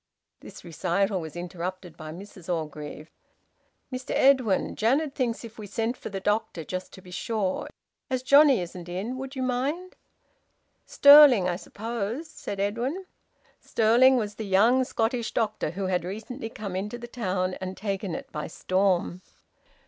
This recital was interrupted by Mrs Orgreave. "Mr Edwin, Janet thinks if we sent for the doctor, just to be sure. As Johnnie isn't in, would you mind " "Stirling, I suppose?" said Edwin. Stirling was the young Scottish doctor who had recently come into the town and taken it by storm.